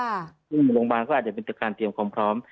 ซึ่งโรงพยาบาลก็อาจจะเป็นการเตรียมความพร้อม